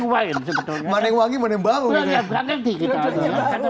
pertanyaan saya pertama saya tertarik sekali kepada istilah minum jengkol makan jengkol dan minum wine